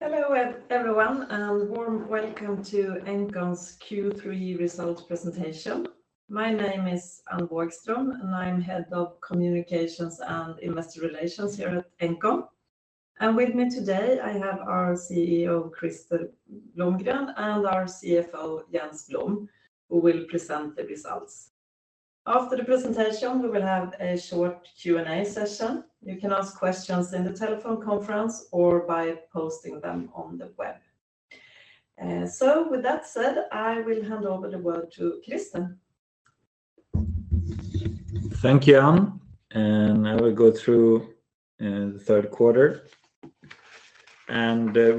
Hello everyone and warm welcome to Engcon's Q3 results presentation. My name is Anne Vågström, and I'm Head of Communications and Investor Relations here at Engcon. With me today I have our CEO, Krister Blomgren, and our CFO, Jens Blom, who will present the results. After the presentation, we will have a short Q&A session. You can ask questions in the telephone conference or by posting them on the web. With that said, I will hand over the word to Krister. Thank you, Anne, and I will go through Q3.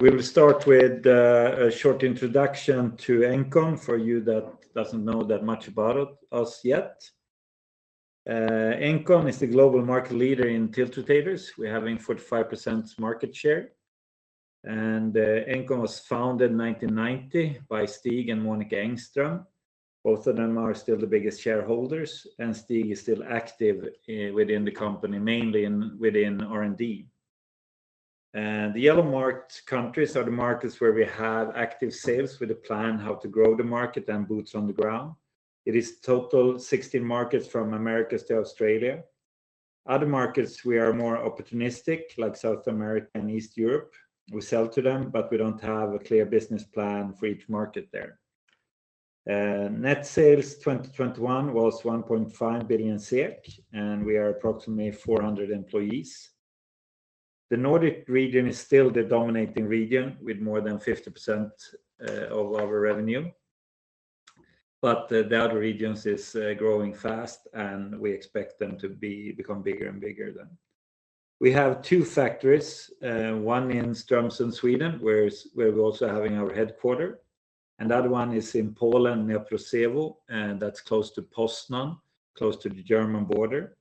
We'll start with a short introduction to Engcon for you that doesn't know that much about us yet. Engcon is the global market leader in tiltrotators. We're having 45% market share. Engcon was founded in 1990 by Stig and Monica Engström. Both of them are still the biggest shareholders, and Stig is still active within the company, mainly within R&D. The yellow marked countries are the markets where we have active sales with a plan how to grow the market and boots on the ground. It is total 16 markets from Americas to Australia. Other markets we are more opportunistic, like South America and East Europe. We sell to them, but we don't have a clear business plan for each market there. Net sales 2021 was 1.5 billion, and we are approximately 400 employees. The Nordic region is still the dominating region with more than 50% of our revenue. The other regions is growing fast, and we expect them to become bigger and bigger than. We have two factories, one in Strömsund, Sweden, where we're also having our headquarters, and the other one is in Poland near Przemęt, that's close to Poznań, close to the German border.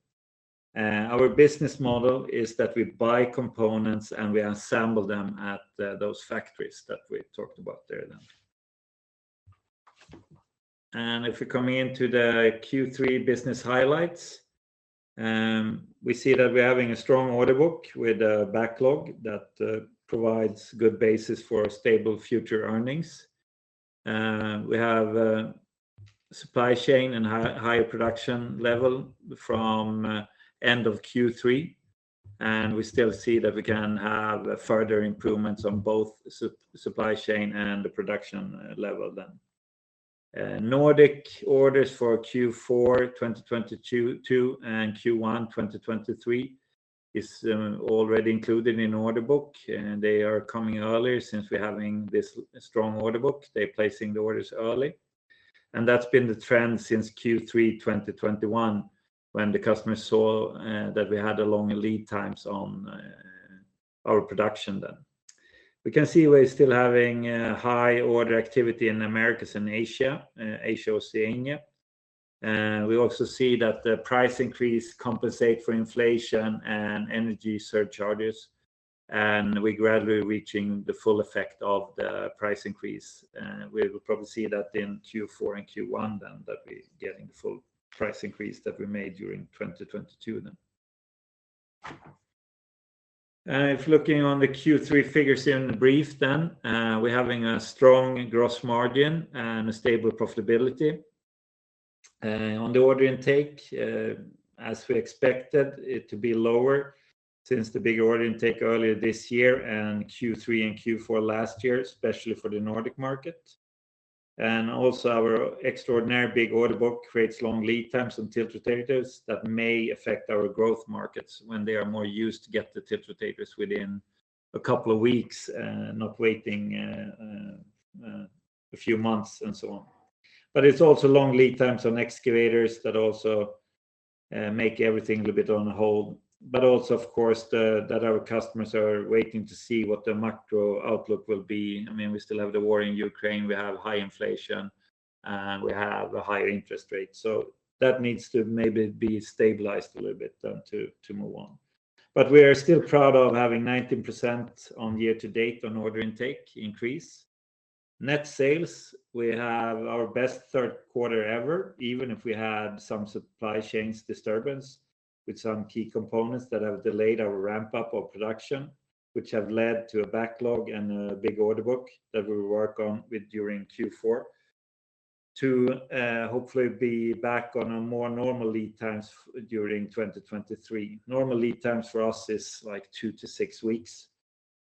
Our business model is that we buy components, and we assemble them at those factories that we talked about there then. If we come into the Q3 business highlights, we see that we're having a strong order book with a backlog that provides good basis for stable future earnings. We have a supply chain and higher production level from end of Q3, and we still see that we can have further improvements on both supply chain and the production level then. Nordic orders for Q4 2022 and Q1 2023 is already included in order book, and they are coming earlier since we're having this strong order book. They're placing the orders early, and that's been the trend since Q3 2021 when the customer saw that we had long lead times on our production then. We can see we're still having high order activity in Americas and Asia Oceania. We also see that the price increase compensate for inflation and energy surcharges, and we gradually reaching the full effect of the price increase. We will probably see that in Q4 and Q1 then that we're getting full price increase that we made during 2022 then. If looking on the Q3 figures here in the brief then, we're having a strong gross margin and a stable profitability. On the order intake, as we expected it to be lower since the big order intake earlier this year and Q3 and Q4 last year, especially for the Nordic market. Also our extraordinary big order book creates long lead times on tiltrotators that may affect our growth markets when they are more used to get the tiltrotators within a couple of weeks, not waiting, a few months and so on. It's also long lead times on excavators that also make everything a little bit on hold. Also, of course, that our customers are waiting to see what the macro outlook will be. I mean, we still have the war in Ukraine, we have high inflation, and we have a higher interest rate. That needs to maybe be stabilized a little bit to move on. We are still proud of having 19% year to date on order intake increase. Net sales, we have our best third quarter ever, even if we had some supply chains disturbance with some key components that have delayed our ramp-up of production, which have led to a backlog and a big order book that we work on with during Q4 to hopefully be back on a more normal lead times during 2023. Normal lead times for us is, like, 2-6 weeks.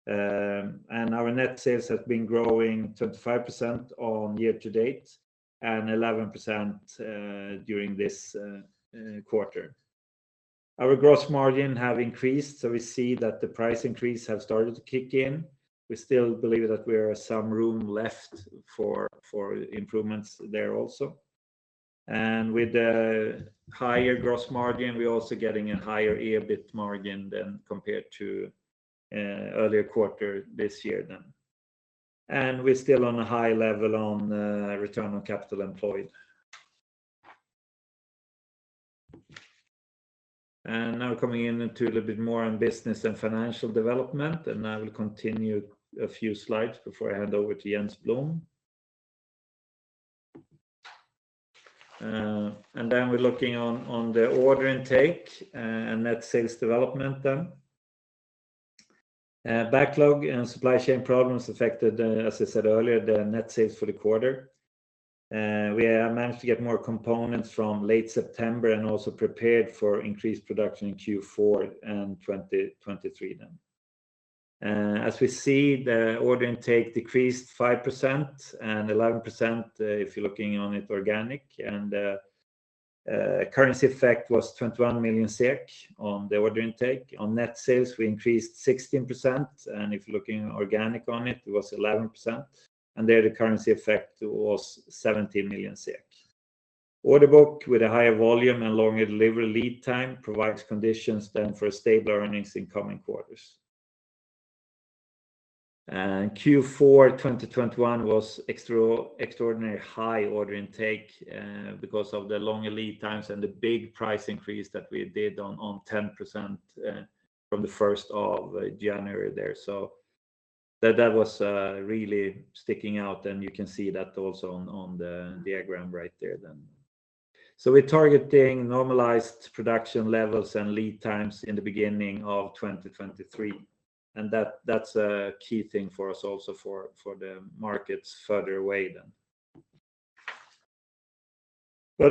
Our net sales have been growing 25% year to date and 11% during this quarter. Our gross margin have increased, so we see that the price increase have started to kick in. We still believe that we have some room left for improvements there also. With the higher gross margin, we're also getting a higher EBIT margin than compared to earlier quarter this year. We're still on a high level on return on capital employed. Now coming into a little bit more on business and financial development, and I will continue a few slides before I hand over to Jens Blom. We're looking on the order intake and net sales development. Backlog and supply chain problems affected, as I said earlier, the net sales for the quarter. We have managed to get more components from late September and also prepared for increased production in Q4 and 2023 then. As we see, the order intake decreased 5% and 11% if you're looking on it organic. Currency effect was 21 million SEK on the order intake. On net sales, we increased 16%, and if looking organic on it was 11%, and there the currency effect was 17 million SEK. Order book with a higher volume and longer delivery lead time provides conditions then for stable earnings in coming quarters. Q4 2021 was extraordinary high order intake, because of the longer lead times and the big price increase that we did on 10%, from the first of January there. That was really sticking out, and you can see that also on the diagram right there then. We're targeting normalized production levels and lead times in the beginning of 2023, and that's a key thing for us also for the markets further away then.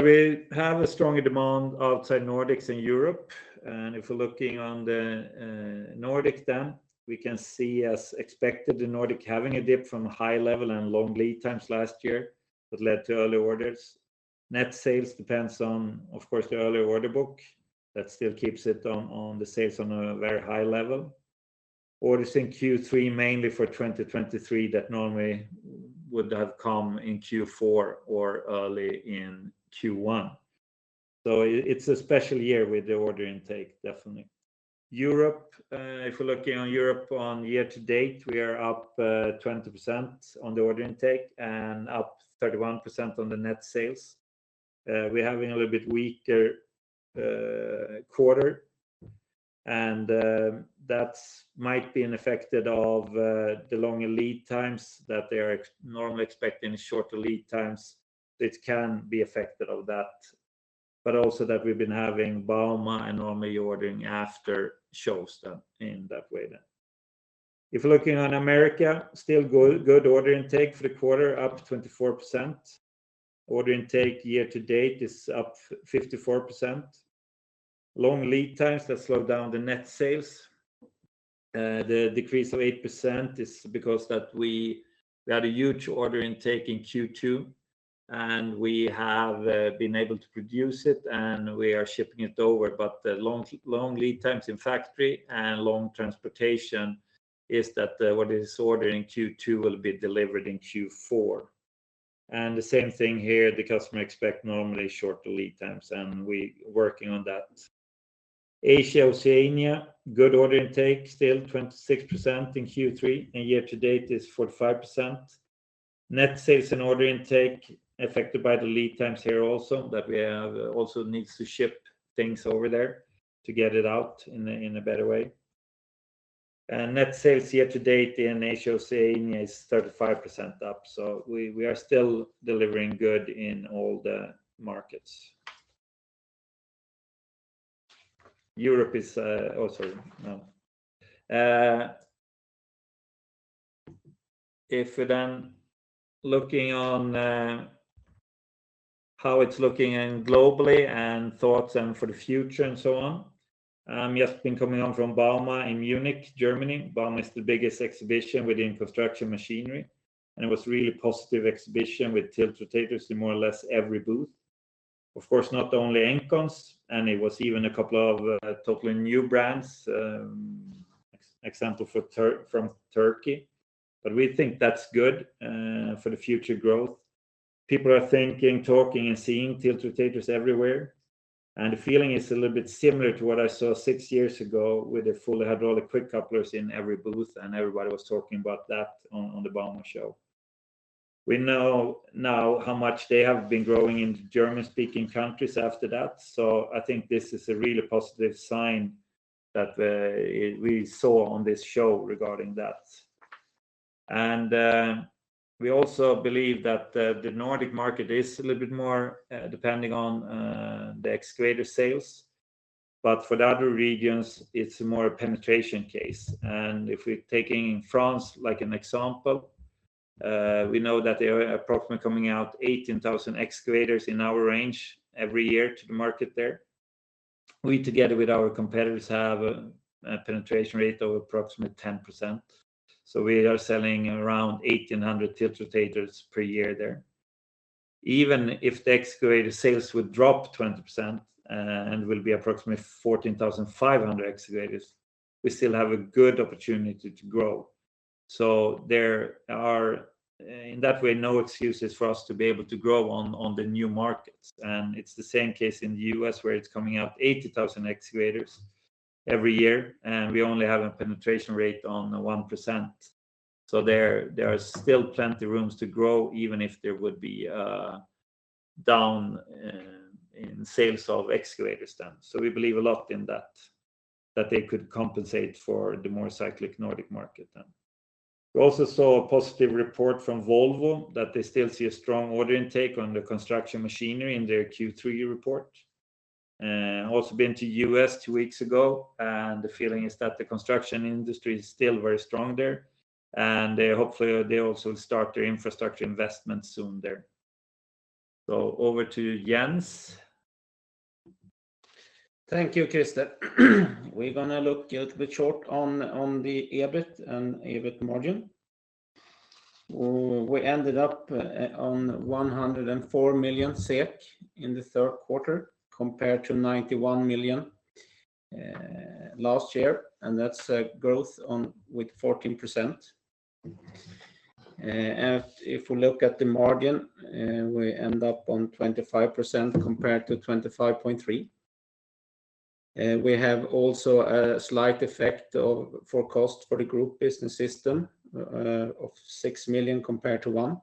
We have a stronger demand outside Nordics and Europe. If we're looking at the Nordic then, we can see, as expected, the Nordic having a dip from a high level and long lead times last year that led to early orders. Net sales depends on, of course, the early order book. That still keeps it on the sales on a very high level. Orders in Q3 mainly for 2023 that normally would have come in Q4 or early in Q1. It's a special year with the order intake, definitely. Europe, if we're looking in Europe year to date, we are up 20% on the order intake and up 31% on the net sales. We're having a little bit weaker quarter and that might be affected by the longer lead times that they are normally expecting shorter lead times. It can be affected by that, but also that we've been having bauma and normally ordering after shows then in that way then. If we're looking in America, still good order intake for the quarter, up 24%. Order intake year to date is up 54%. Long lead times that slow down the net sales. The decrease of 8% is because that we had a huge order intake in Q2, and we have been able to produce it, and we are shipping it over. The long lead times in factory and long transportation is that what is ordered in Q2 will be delivered in Q4. The same thing here, the customer expect normally shorter lead times, and we working on that. Asia-Oceania, good order intake, still 26% in Q3, and year to date is 45%. Net sales and order intake affected by the lead times here also, but we have also needs to ship things over there to get it out in a better way. Net sales year to date in Asia-Oceania is 35% up, so we are still delivering good in all the markets. If we're then looking on how it's looking globally and thoughts and for the future and so on, just been coming home from bauma in Munich, Germany. bauma is the biggest exhibition with infrastructure machinery, and it was really positive exhibition with tiltrotators in more or less every booth. Of course, not only Engcon's, and it was even a couple of totally new brands, example from Turkey. We think that's good for the future growth. People are thinking, talking, and seeing tiltrotators everywhere, and the feeling is a little bit similar to what I saw six years ago with the fully hydraulic quick couplers in every booth, and everybody was talking about that on the bauma show. We know now how much they have been growing in the German-speaking countries after that, so I think this is a really positive sign that we saw on this show regarding that. We also believe that the Nordic market is a little bit more depending on the excavator sales. For the other regions, it's more a penetration case. If we're taking France like an example, we know that there are approximately coming out 18,000 excavators in our range every year to the market there. We, together with our competitors, have a penetration rate of approximately 10%, so we are selling around 1,800 tiltrotators per year there. Even if the excavator sales would drop 20% and will be approximately 14,500 excavators, we still have a good opportunity to grow. There are, in that way, no excuses for us to be able to grow on the new markets. It's the same case in the U.S. where it's coming out 80,000 excavators every year, and we only have a penetration rate of 1%. There are still plenty of room to grow, even if there would be a downturn in sales of excavators then. We believe a lot in that they could compensate for the more cyclic Nordic market then. We also saw a positive report from Volvo that they still see a strong order intake on the construction machinery in their Q3 report. Also been to U.S. two weeks ago, and the feeling is that the construction industry is still very strong there, and they hopefully also start their infrastructure investment soon there. Over to Jens. Thank you, Krister. We're gonna look a little bit short on the EBIT and EBIT margin. We ended up on 104 million SEK in Q3 compared to 91 million last year, and that's a growth of 14%. If we look at the margin, we end up on 25% compared to 25.3%. We have also a slight effect of costs for the group business system of 6 million compared to 1 million.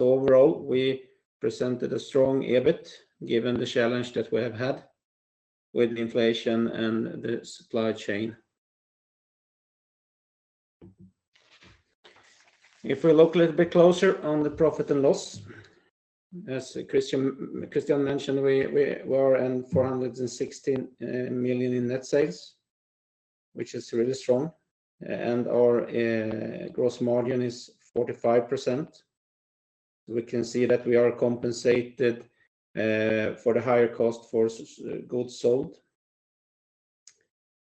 Overall, we presented a strong EBIT given the challenge that we have had with inflation and the supply chain. If we look a little bit closer on the profit and loss, as Krister mentioned, we were in 416 million in net sales, which is really strong, and our gross margin is 45%. We can see that we are compensated for the higher cost of goods sold.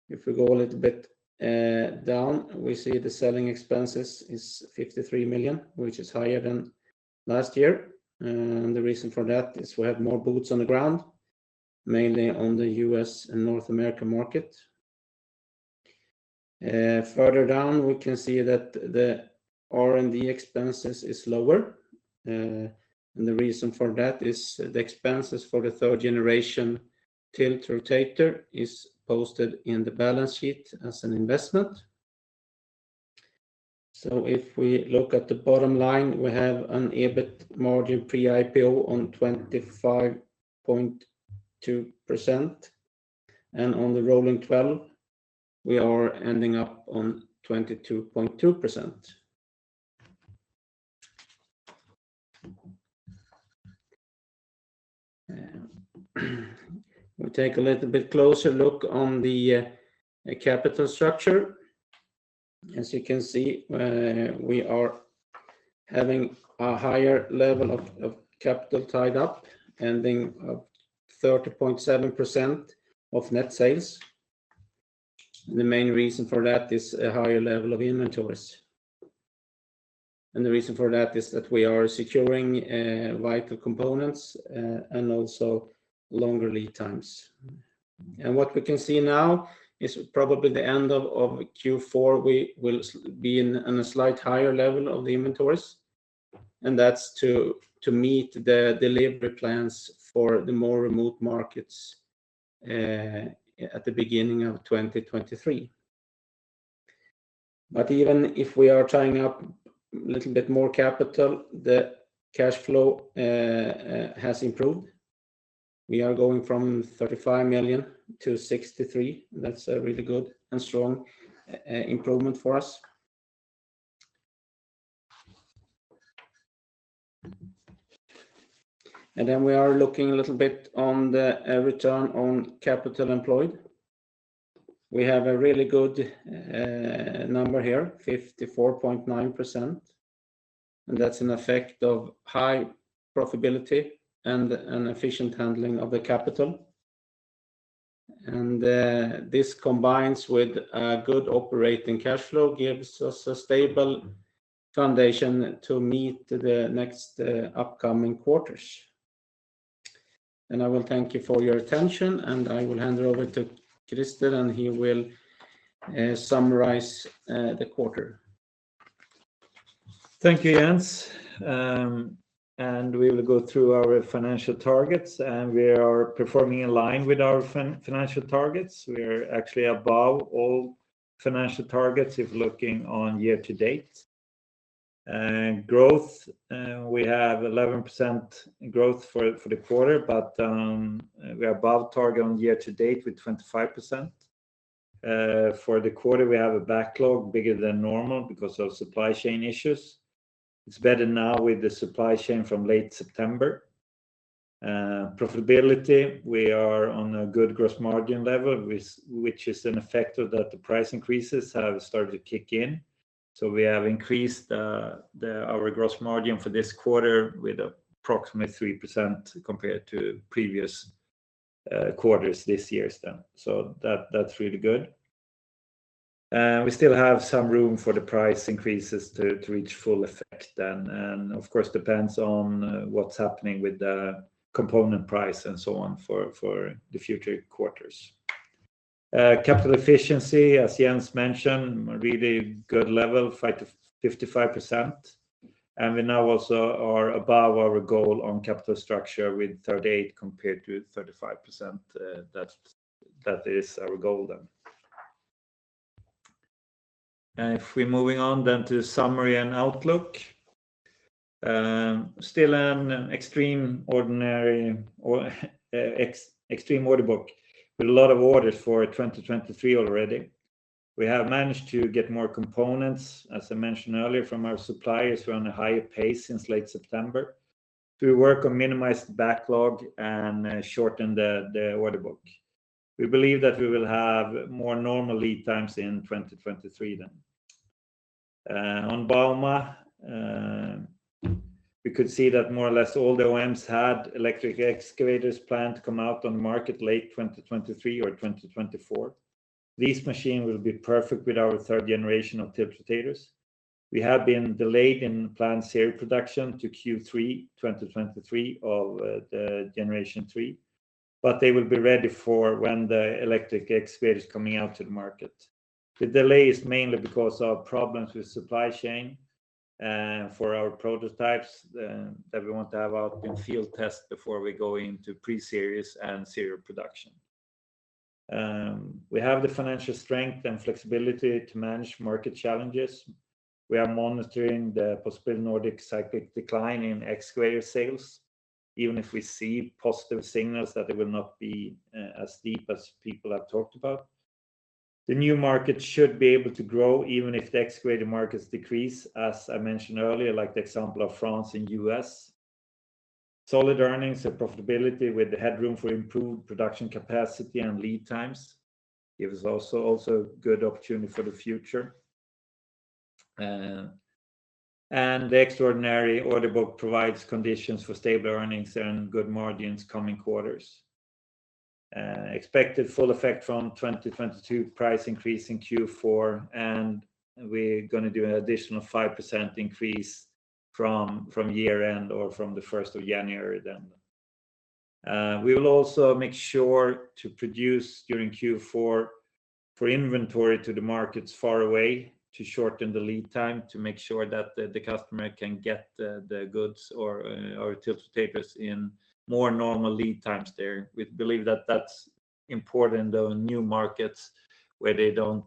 If we go a little bit down, we see the selling expenses is 53 million, which is higher than last year. The reason for that is we have more boots on the ground, mainly on the U.S. and North America market. Further down, we can see that the R&D expenses is lower. The reason for that is the expenses for the third generation tiltrotator is posted in the balance sheet as an investment. If we look at the bottom line, we have an EBIT margin pre-IPO on 25.2%, and on the rolling twelve, we are ending up on 22.2%. We take a little bit closer look on the capital structure. As you can see, we are having a higher level of capital tied up, ending up 30.7% of net sales. The main reason for that is a higher level of inventories. The reason for that is that we are securing vital components and also longer lead times. What we can see now is probably the end of Q4, we will be in a slight higher level of the inventories, and that's to meet the delivery plans for the more remote markets at the beginning of 2023. Even if we are tying up a little bit more capital, the cash flow has improved. We are going from 35 million-63 million. That's a really good and strong improvement for us. We are looking a little bit on the return on capital employed. We have a really good number here, 54.9%, and that's an effect of high profitability and an efficient handling of the capital. This combines with a good operating cash flow, gives us a stable foundation to meet the next upcoming quarters. I will thank you for your attention, and I will hand over to Krister, and he will summarize the quarter. Thank you, Jens. We will go through our financial targets, and we are performing in line with our financial targets. We are actually above all financial targets if looking on year to date. Growth, we have 11% growth for the quarter, but we are above target on year to date with 25%. For the quarter, we have a backlog bigger than normal because of supply chain issues. It's better now with the supply chain from late September. Profitability, we are on a good gross margin level, which is an effect of that the price increases have started to kick in. We have increased our gross margin for this quarter with approximately 3% compared to previous quarters this year then. That's really good. We still have some room for the price increases to reach full effect then, and of course, depends on what's happening with the component price and so on for the future quarters. Capital efficiency, as Jens mentioned, a really good level, 55%. We now also are above our goal on capital structure with 38 compared to 35%. That is our goal then. If we're moving on then to summary and outlook. Still an extraordinarily extreme order book with a lot of orders for 2023 already. We have managed to get more components, as I mentioned earlier, from our suppliers who are on a higher pace since late September to work on minimized backlog and shorten the order book. We believe that we will have more normal lead times in 2023 then. On bauma, we could see that more or less all the OEMs had electric excavators planned to come out on the market late 2023 or 2024. These machines will be perfect with our third generation of tiltrotators. We have been delayed in planned serial production to Q3 2023 of the Generation 3, but they will be ready for when the electric excavator is coming out to the market. The delay is mainly because of problems with supply chain for our prototypes that we want to have out in field test before we go into pre-series and serial production. We have the financial strength and flexibility to manage market challenges. We are monitoring the possible Nordic cyclical decline in excavator sales, even if we see positive signals that it will not be as steep as people have talked about. The new market should be able to grow even if the excavator markets decrease, as I mentioned earlier, like the example of France and U.S. Solid earnings and profitability with the headroom for improved production capacity and lead times give us also good opportunity for the future. The extraordinary order book provides conditions for stable earnings and good margins coming quarters. Expected full effect from 2022 price increase in Q4, and we're gonna do an additional 5% increase from year end or from the first of January then. We will also make sure to produce during Q4 for inventory to the markets far away to shorten the lead time to make sure that the customer can get the goods or tiltrotators in more normal lead times there. We believe that that's important on new markets where they don't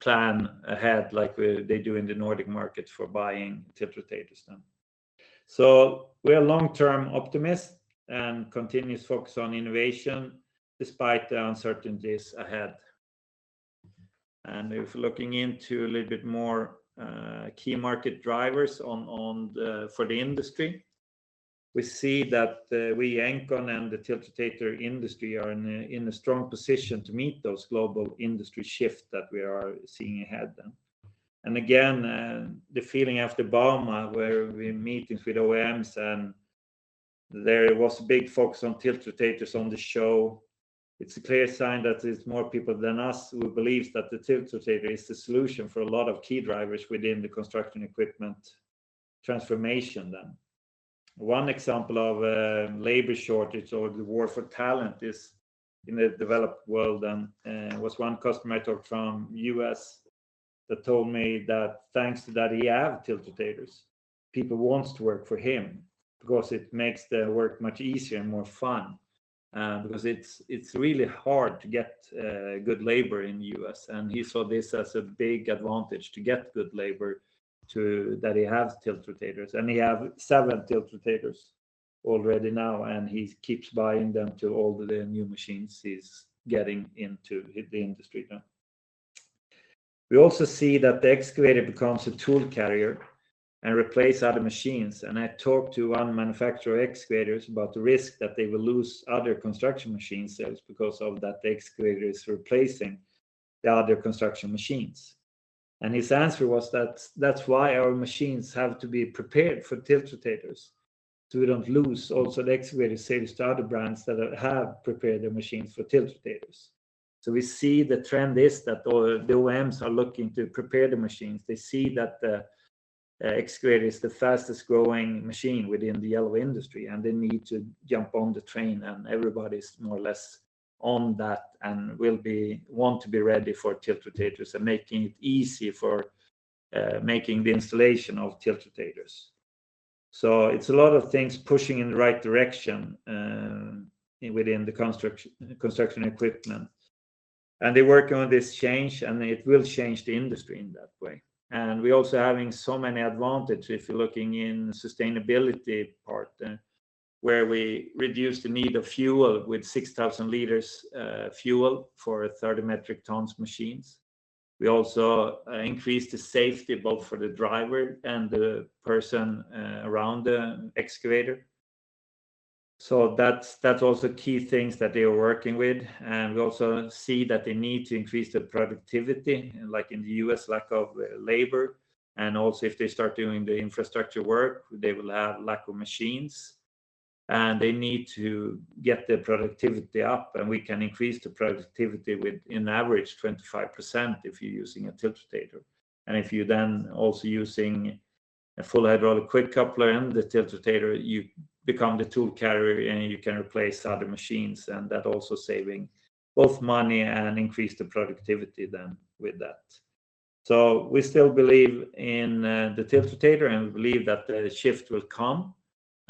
plan ahead like they do in the Nordic market for buying tiltrotators then. We are long-term optimists and continuous focus on innovation despite the uncertainties ahead. If looking into a little bit more key market drivers for the industry, we see that we Engcon and the tiltrotator industry are in a strong position to meet those global industry shift that we are seeing ahead then. Again, the feeling after bauma, where we're meeting with OEMs and there was a big focus on tiltrotators on the show, it's a clear sign that it's more people than us who believes that the tiltrotator is the solution for a lot of key drivers within the construction equipment transformation then. One example of labor shortage or the war for talent is in the developed world and was one customer I talked from U.S. that told me that thanks to that he have tiltrotators, people wants to work for him because it makes the work much easier and more fun because it's really hard to get good labor in U.S. He saw this as a big advantage to get good labor that he has tiltrotators, and he have seven tiltrotators already now, and he keeps buying them to all the new machines he's getting into the industry now. We also see that the excavator becomes a tool carrier and replace other machines. I talked to one manufacturer of excavators about the risk that they will lose other construction machine sales because of that the excavator is replacing the other construction machines. His answer was that that's why our machines have to be prepared for tiltrotators, so we don't lose also the excavator sales to other brands that have prepared their machines for tiltrotators. We see the trend is that all the OEMs are looking to prepare the machines. They see that the excavator is the fastest growing machine within the yellow industry, and they need to jump on the train, and everybody's more or less on that and want to be ready for tiltrotators and making it easy for making the installation of tiltrotators. It's a lot of things pushing in the right direction within the construction equipment. They work on this change, and it will change the industry in that way. We're also having so many advantage if you're looking in sustainability part, where we reduce the need of fuel with 6,000 liters fuel for 30 metric tons machines. We also increase the safety both for the driver and the person around the excavator. That's also key things that they are working with. We also see that they need to increase the productivity, like in the U.S. lack of labor. Also if they start doing the infrastructure work, they will have lack of machines, and they need to get the productivity up, and we can increase the productivity with an average 25% if you're using a tiltrotator. If you're then also using a fully hydraulic quick coupler in the tiltrotator, you become the tool carrier, and you can replace other machines and that also saving both money and increase the productivity then with that. We still believe in the tiltrotator and believe that the shift will come.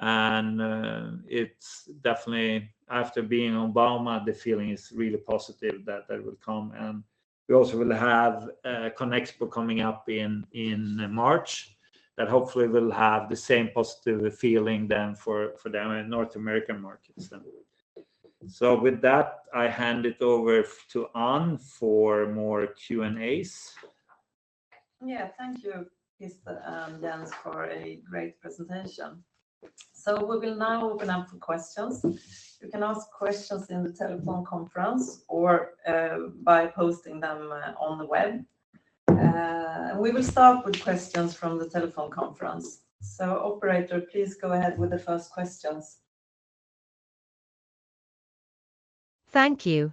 It's definitely after being on bauma, the feeling is really positive that they will come. We also will have CONEXPO coming up in March that hopefully will have the same positive feeling then for the North American markets then. With that, I hand it over to Anne for more Q&As. Yeah. Thank you, Krister and Jens for a great presentation. We will now open up for questions. You can ask questions in the telephone conference or, by posting them on the web. We will start with questions from the telephone conference. Operator, please go ahead with the first questions. Thank you.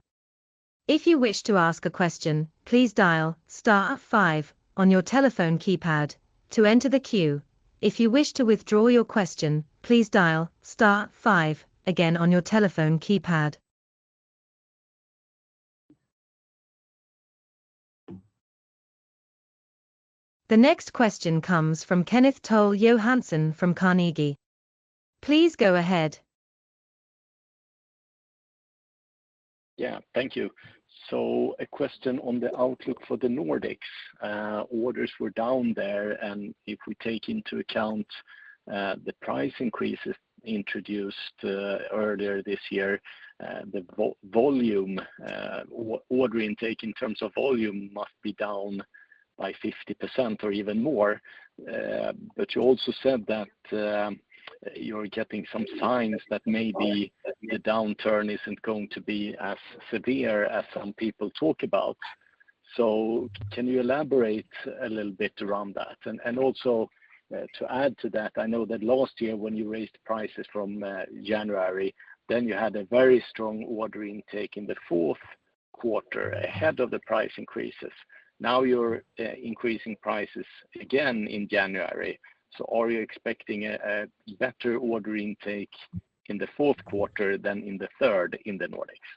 If you wish to ask a question, please dial star five on your telephone keypad to enter the queue. If you wish to withdraw your question, please dial star five again on your telephone keypad. The next question comes from Kenneth Toll Johansen from Carnegie. Please go ahead. Yeah. Thank you. A question on the outlook for the Nordics. Orders were down there, and if we take into account the price increases introduced earlier this year, the volume or order intake in terms of volume must be down by 50% or even more. You also said that you're getting some signs that maybe the downturn isn't going to be as severe as some people talk about. Can you elaborate a little bit around that? Also, to add to that, I know that last year when you raised prices from January, then you had a very strong order intake in the fourth quarter ahead of the price increases. Now you're increasing prices again in January. Are you expecting a better order intake in Q4 than in Q3 in the Nordics?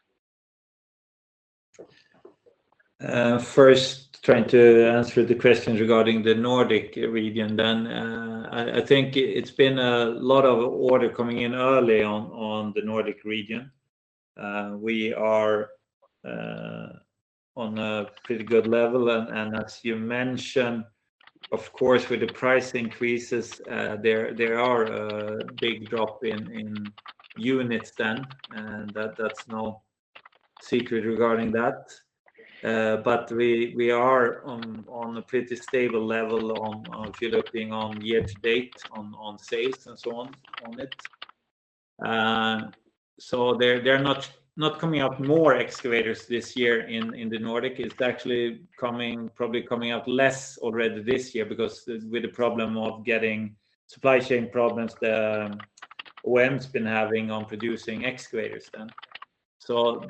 First trying to answer the questions regarding the Nordic region, then I think it's been a lot of orders coming in early on in the Nordic region. We are on a pretty good level. As you mentioned, of course, with the price increases, there are a big drop in units then, and that's no secret regarding that. But we are on a pretty stable level if you're looking year to date on sales and so on. So they're not coming up more excavators this year in the Nordic. It's actually probably coming out less already this year because of the supply chain problems the OEMs have been having on producing excavators.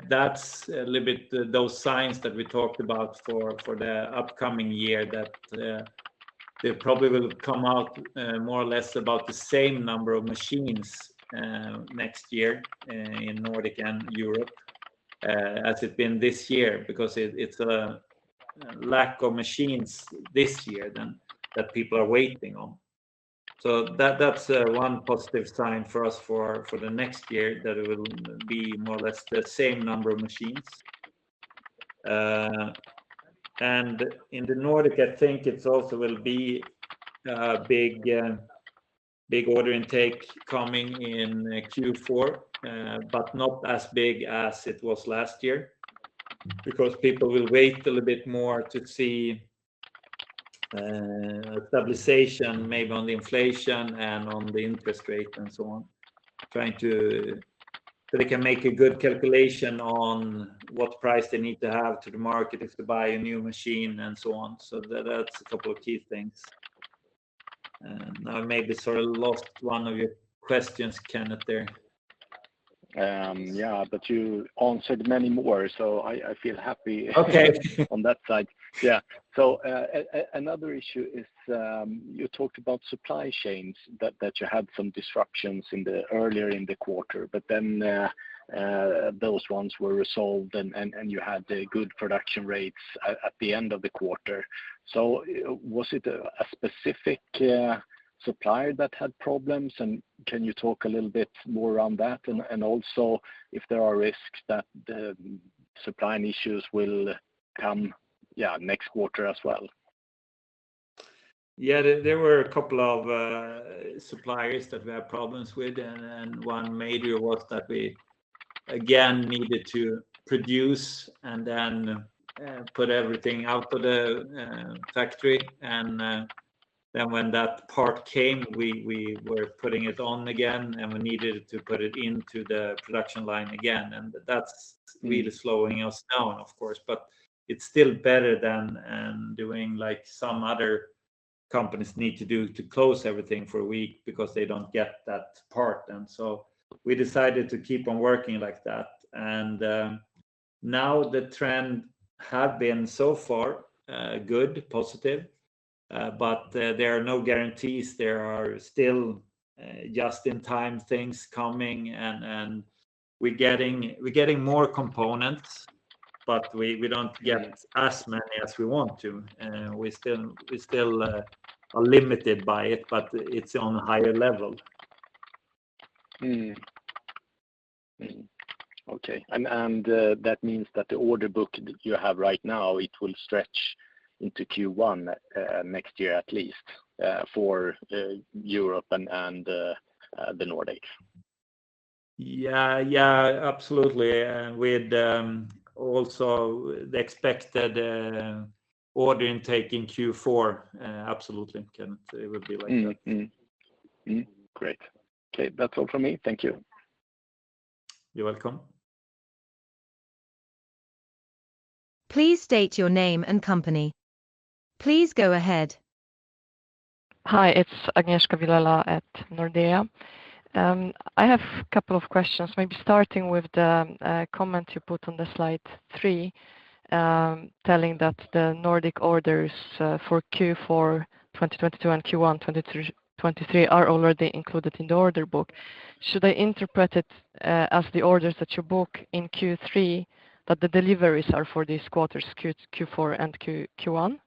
That's a little bit of those signs that we talked about for the upcoming year that they probably will come out more or less about the same number of machines next year in Nordic and Europe as it's been this year because it's a lack of machines this year and that people are waiting on. That's one positive sign for us for the next year that it will be more or less the same number of machines. In the Nordic, I think it's also will be a big order intake coming in Q4, but not as big as it was last year because people will wait a little bit more to see stabilization maybe on the inflation and on the interest rate and so on, trying to so they can make a good calculation on what price they need to have to the market if to buy a new machine and so on. That's a couple of key things. I maybe sort of lost one of your questions, Kenneth, there. Yeah, you answered many more, so I feel happy. Okay. on that side. Yeah. Another issue is, you talked about supply chains, that you had some disruptions earlier in the quarter, but then those ones were resolved and you had the good production rates at the end of the quarter. Was it a specific supplier that had problems? And can you talk a little bit more around that? And also if there are risks that the supply issues will come next quarter as well. Yeah. There were a couple of suppliers that we had problems with, and one major was that we again needed to produce and then put everything out to the factory. Then when that part came, we were putting it on again, and we needed to put it into the production line again. That's really slowing us down, of course. It's still better than doing like some other companies need to do to close everything for a week because they don't get that part. We decided to keep on working like that. Now the trend have been so far good, positive. There are no guarantees. There are still just in time things coming and we're getting more components. We don't get as many as we want to. We still are limited by it, but it's on a higher level. That means that the order book that you have right now, it will stretch into Q1 next year at least, for Europe and the Nordics. Yeah. Yeah, absolutely. With also the expected order intake in Q4, absolutely, Kenneth. It will be like that. Mm-hmm. Mm-hmm. Great. Okay. That's all from me. Thank you. You're welcome. Please state your name and company. Please go ahead. Hi, it's Agnieszka Vilela at Nordea. I have a couple of questions, maybe starting with the comment you put on the slide three, telling that the Nordic orders for Q4 2022 and Q1 2023 are already included in the order book. Should I interpret it as the orders that you book in Q3, but the deliveries are for these quarters Q4 and Q1?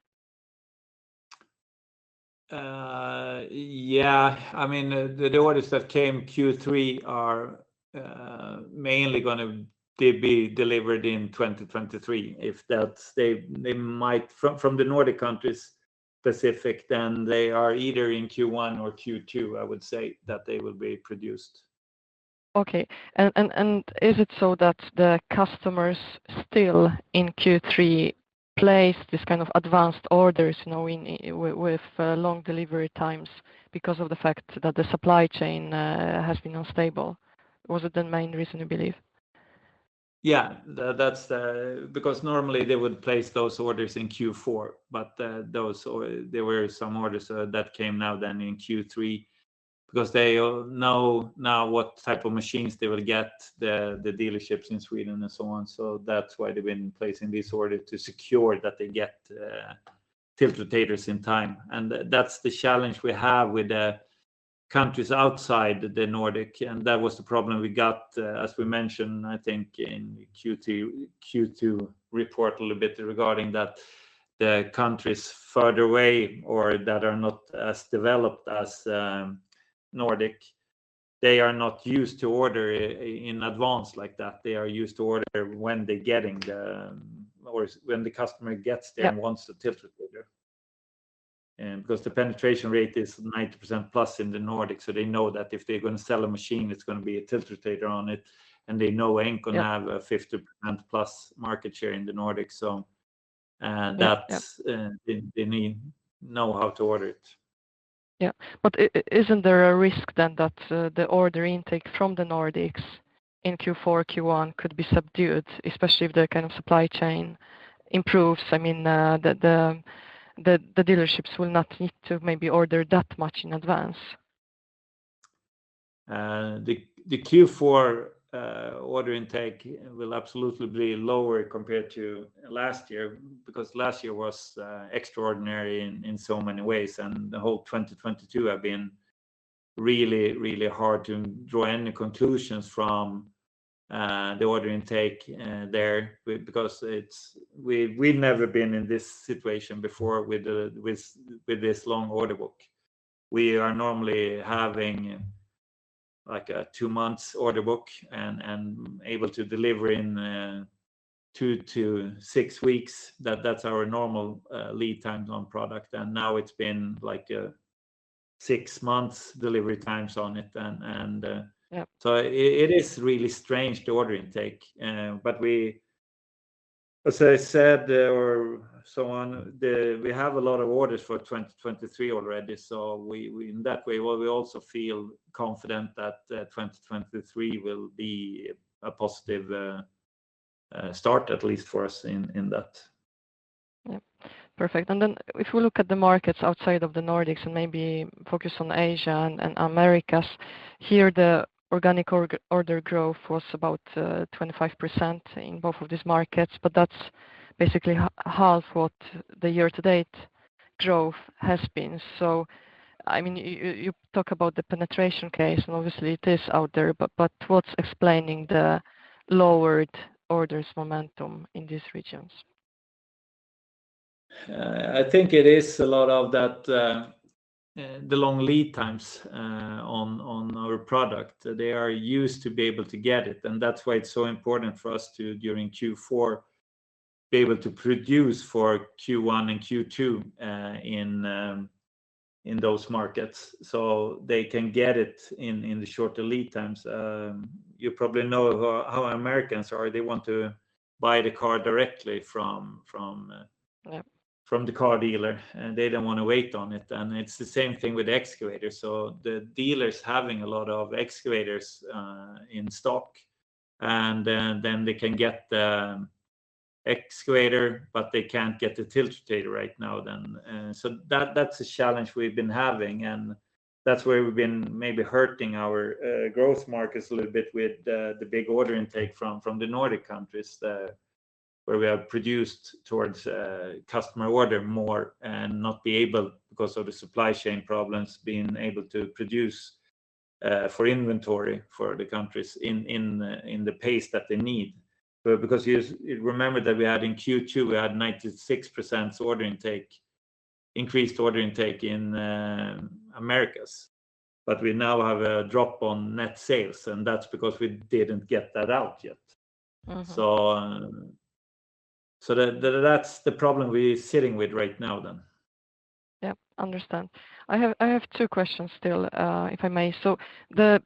Yeah. I mean, the orders that came in Q3 are mainly gonna be delivered in 2023. From the Nordic countries specifically, they are either in Q1 or Q2, I would say, that they will be produced. Is it so that the customers still in Q3 place this kind of advanced orders, you know, in with long delivery times because of the fact that the supply chain has been unstable? Was it the main reason, you believe? Yeah. Because normally they would place those orders in Q4, but there were some orders that came now then in Q3 because they all know now what type of machines they will get, the dealerships in Sweden and so on. That's why they've been placing this order to secure that they get tiltrotators in time, and that's the challenge we have with the countries outside the Nordic. That was the problem we got, as we mentioned, I think, in Q2 report a little bit regarding that the countries further away or that are not as developed as Nordic, they are not used to order in advance like that. They are used to order when they're getting the or when the customer gets there. Yeah... wants the tiltrotator. Because the penetration rate is 90%+ in the Nordics, so they know that if they're gonna sell a machine, it's gonna be a tiltrotator on it, and they know Engcon.. Yeah ...have a 50%+ market share in the Nordic. Yeah. Yeah That's, they need to know how to order it. Isn't there a risk then that the order intake from the Nordics in Q4, Q1 could be subdued, especially if the kind of supply chain improves? I mean, the dealerships will not need to maybe order that much in advance. The Q4 order intake will absolutely be lower compared to last year because last year was extraordinary in so many ways, and the whole 2022 have been really hard to draw any conclusions from the order intake because it's. We've never been in this situation before with this long order book. We are normally having like a 2 months order book and able to deliver in 2-6 weeks. That's our normal lead times on product, and now it's been like 6 months delivery times on it and. Yeah It is really strange the order intake. We, as I said or so on, then we have a lot of orders for 2023 already, so we in that way, well, we also feel confident that 2023 will be a positive start at least for us in that. Yeah. Perfect. If we look at the markets outside of the Nordics and maybe focus on Asia and Americas, here the organic order growth was about 25% in both of these markets, but that's basically half what the year to date growth has been. I mean, you talk about the penetration case, and obviously it is out there, but what's explaining the lowered orders momentum in these regions? I think it is a lot of that, the long lead times on our product. They are used to be able to get it, and that's why it's so important for us to during Q4 be able to produce for Q1 and Q2 in those markets so they can get it in the shorter lead times. You probably know how Americans are. They want to buy the car directly from Yeah From the car dealer, and they don't wanna wait on it. It's the same thing with the excavator. The dealers having a lot of excavators in stock, and then they can get the excavator, but they can't get the tiltrotator right now then. That's a challenge we've been having, and that's where we've been maybe hurting our growth markets a little bit with the big order intake from the Nordic countries, where we have produced towards customer order more and not be able because of the supply chain problems being able to produce for inventory for the countries in the pace that they need. Because you remember that we had in Q2 96% increased order intake in Americas. We now have a drop in net sales, and that's because we didn't get that out yet. Mm-hmm. That's the problem we're sitting with right now then. Yep, understand. I have two questions still, if I may. The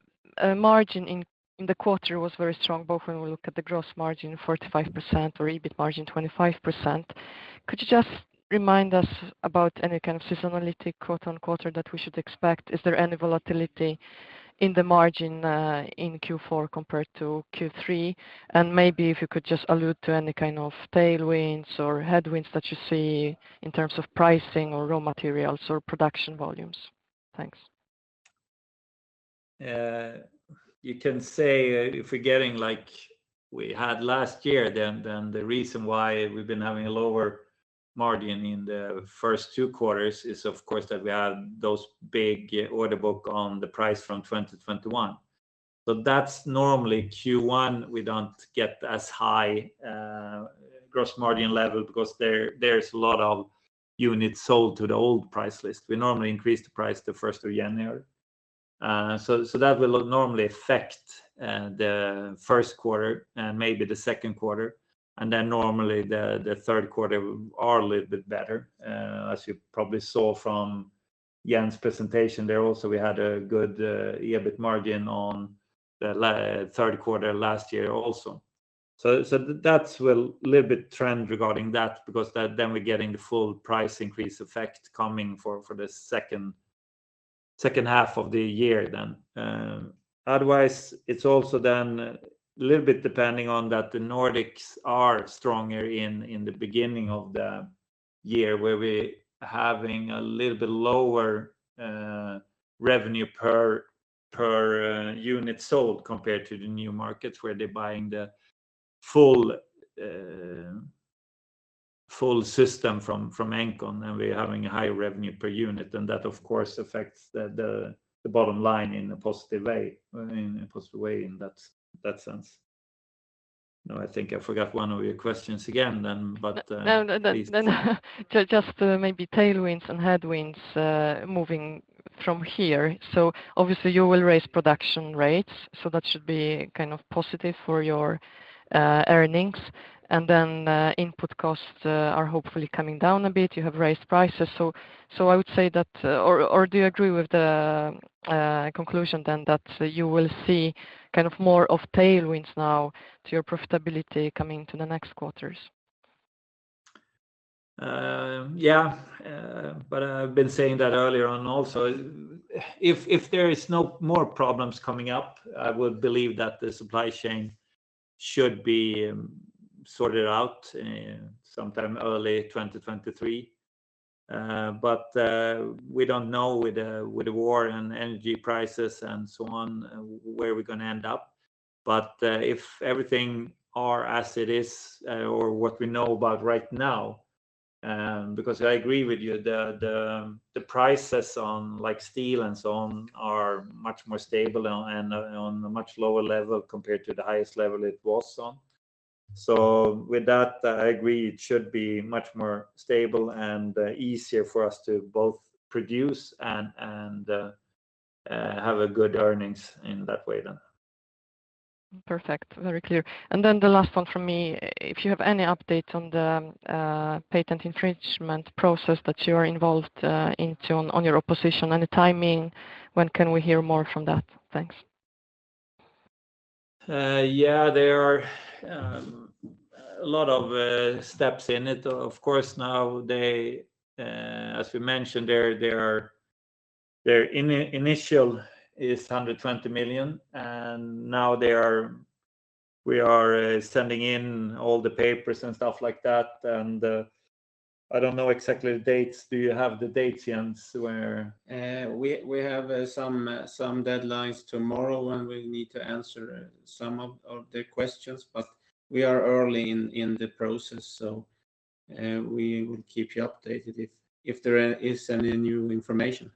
margin in the quarter was very strong, both when we look at the gross margin 45% or EBIT margin 25%. Could you just remind us about any kind of seasonality quarter on quarter that we should expect? Is there any volatility in the margin, in Q4 compared to Q3? Maybe if you could just allude to any kind of tailwinds or headwinds that you see in terms of pricing or raw materials or production volumes. Thanks. You can say if we're getting like we had last year, then the reason why we've been having a lower margin in the first two quarters is of course that we had those big order book on the price from 2021. That's normally Q1 we don't get as high gross margin level because there's a lot of units sold to the old price list. We normally increase the price the first of January. That will normally affect Q1 and maybe Q2, and then normally Q3 are a little bit better, as you probably saw from Jens' presentation there also, we had a good EBIT margin on Q3 last year also. That's a little bit trend regarding that because that then we're getting the full price increase effect coming for H2 of the year then. Otherwise, it's also then a little bit depending on that the Nordics are stronger in the beginning of the year where we're having a little bit lower revenue per unit sold compared to the new markets where they're buying the full system from Engcon, and we're having a higher revenue per unit, and that of course affects the bottom line in a positive way in that sense. Now I think I forgot one of your questions again then, but. No, no, no. Please. Just maybe tailwinds and headwinds moving from here. Obviously you will raise production rates, so that should be kind of positive for your earnings. Input costs are hopefully coming down a bit. You have raised prices. I would say that, or do you agree with the conclusion then that you will see kind of more of tailwinds now to your profitability coming to the next quarters? Yeah. I've been saying that earlier on also. If there is no more problems coming up, I would believe that the supply chain should be sorted out sometime early 2023. We don't know with the war and energy prices and so on, where we're gonna end up. If everything are as it is or what we know about right now, because I agree with you, the prices on like steel and so on are much more stable and on a much lower level compared to the highest level it was on. With that, I agree it should be much more stable and easier for us to both produce and have a good earnings in that way then. Perfect. Very clear. Then the last one from me, if you have any update on the patent infringement process that you are involved in, too, on your opposition. Any timing, when can we hear more from that? Thanks. Yeah, there are a lot of steps in it. Of course, now, as we mentioned, their initial is 120 million, and now we are sending in all the papers and stuff like that. I don't know exactly the dates. Do you have the dates, Jens, where? We have some deadlines tomorrow when we need to answer some of the questions, but we are early in the process. We will keep you updated if there is any new information.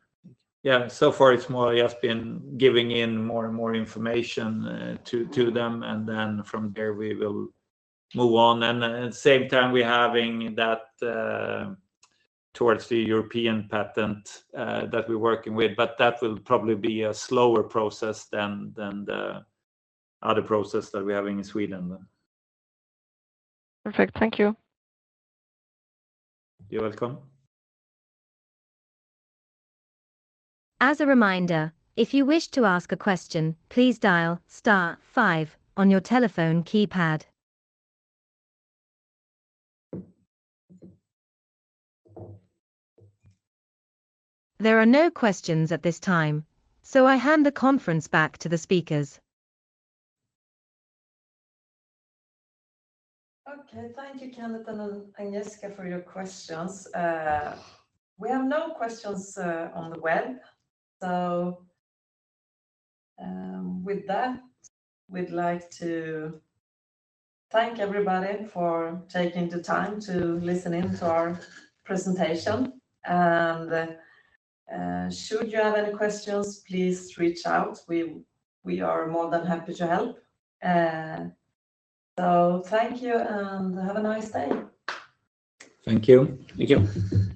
So far it's more just been giving in more and more information to them, and then from there we will move on. At the same time we're having that towards the European patent that we're working with. That will probably be a slower process than the other process that we're having in Sweden. Perfect. Thank you. You're welcome. As a reminder, if you wish to ask a question, please dial star five on your telephone keypad. There are no questions at this time, so I hand the conference back to the speakers. Okay. Thank you, Kenneth and Agnieszka, for your questions. We have no questions on the web. With that, we'd like to thank everybody for taking the time to listen in to our presentation. Should you have any questions, please reach out. We are more than happy to help. Thank you and have a nice day. Thank you. Thank you.